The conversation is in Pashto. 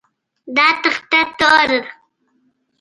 دا تخته توره ده